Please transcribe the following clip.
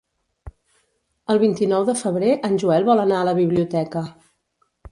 El vint-i-nou de febrer en Joel vol anar a la biblioteca.